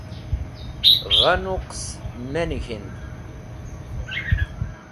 Gha nuqs me nik̃hind.